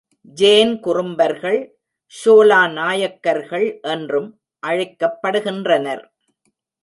Jane குறும்பர்கள், ஷோலா நாயக்கர்கள் என்றும் அழைக்கப்படுகின்றனர்.